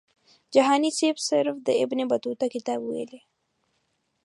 جهاني سیب صرف د ابن بطوطه کتاب ویلی.